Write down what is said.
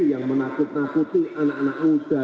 yang menakut nakuti anak anak muda